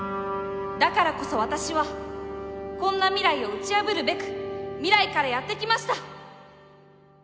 だからこそ私はこんな未来を打ち破るべく未来からやって来ました！